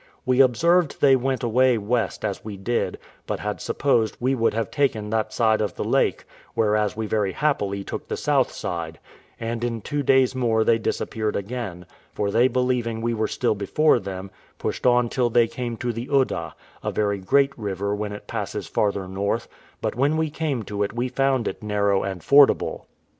We observed they went away west, as we did, but had supposed we would have taken that side of the lake, whereas we very happily took the south side; and in two days more they disappeared again: for they, believing we were still before them, pushed on till they came to the Udda, a very great river when it passes farther north, but when we came to it we found it narrow and fordable.